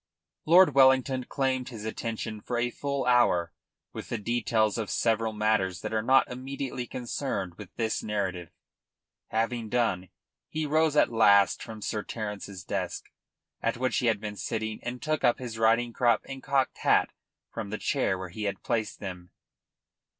Lord Wellington claimed his attention for a full hour with the details of several matters that are not immediately concerned with this narrative. Having done, he rose at last from Sir Terence's desk, at which he had been sitting, and took up his riding crop and cocked hat from the chair where he had placed them.